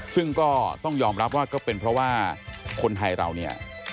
ซึ่งก็ต้องยอมรับว่าก็เป็นเพราะว่าคนไทยเราเนี่ย